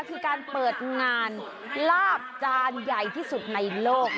คือการเปิดงานลาบจานใหญ่ที่สุดในโลก